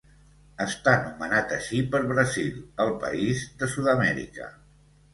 Està nomenat així per Brasil, el país de Sud-amèrica.